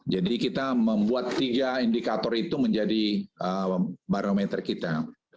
jadi kita membuat tiga indikator itu menjadi barometer kita